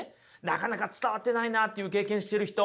なかなか伝わってないなという経験している人